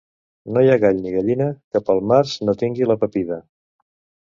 No hi ha gall ni gallina que pel març no tingui la pepida.